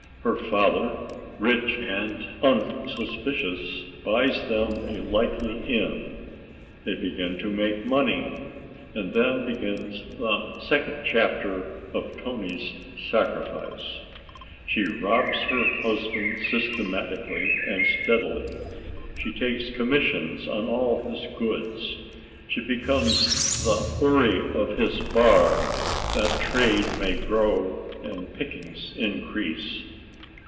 Her father, rich and unsuspicious, buys them a likely inn; they begin to make money. And then begins the second chapter of Toni's sacrifice. She robs her husband systematically and steadily; she takes commissions on all his goods; she becomes the houri of his bar, that trade may grow and pickings increase.